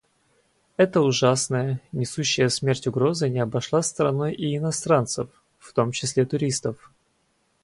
Эта ужасная, несущая смерть угроза не обошла стороной и иностранцев, в том числе туристов.